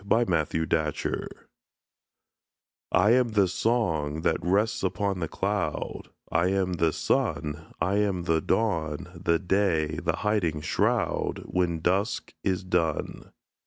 I AM THE WORLD I am the song, that rests upon the cloud; I am the sun: I am the dawn, the day, the hiding shroud, When dusk is done.